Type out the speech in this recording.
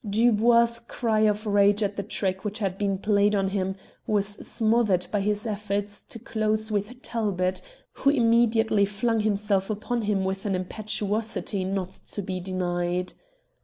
Dubois' cry of rage at the trick which had been played on him was smothered by his effort to close with Talbot, who immediately flung himself upon him with an impetuosity not to be denied.